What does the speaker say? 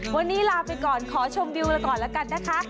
วันนี้ลาไปก่อนขอชมวิวเราก่อนแล้วกันนะคะ